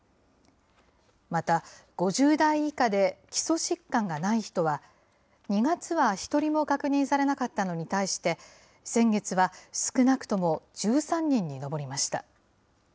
また５０代以下で基礎疾患がない人は、２月は一人も確認されなかったのに対して、先月は少なくとも１３人に上りました。